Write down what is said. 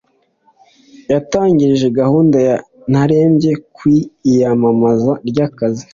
yatangarije gahunda ya narebye ku iyamamaza ry'akazi